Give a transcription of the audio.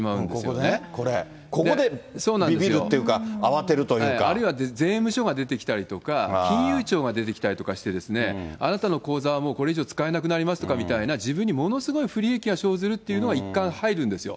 ここね、これ、あるいは税務署が出てきたりとか、金融庁が出てきたりとかしてですね、あなたの口座はもうこれ以上使えなくなりますとかみたいな、自分にものすごい不利益が生ずるっていうのがいったん入るんですよ。